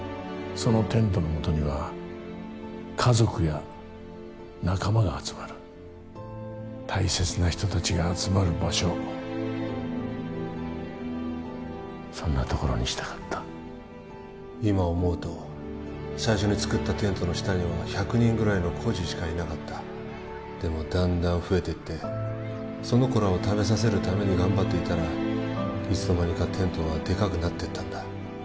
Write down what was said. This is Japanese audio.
そのテントの下には家族や仲間が集まる大切な人達が集まる場所そんなところにしたかった今思うと最初につくったテントの下には１００人ぐらいの孤児しかいなかったでもだんだん増えてってその子らを食べさせるために頑張っていたらいつの間にかテントはでかくなってったんだ